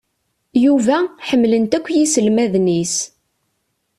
Yuba, ḥemmlen-t akk yiselmaden-is